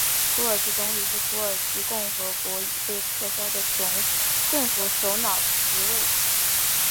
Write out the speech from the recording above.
土耳其总理是土耳其共和国已被撤销的政府首脑职位。